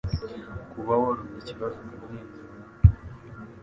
Kuba warumye ikibazo ukamwenyura,